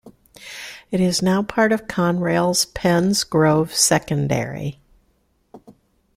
It is now part of Conrail's Penns Grove Secondary.